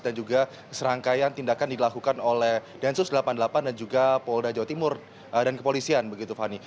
dan juga serangkaian tindakan dilakukan oleh densus delapan puluh delapan dan juga polda jawa timur dan kepolisian begitu fani